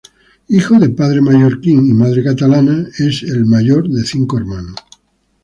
Hijo de padre mallorquín y madre catalana, es el mayor de cinco hermanos.